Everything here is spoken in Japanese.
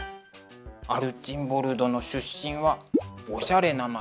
アルチンボルドの出身はおしゃれな街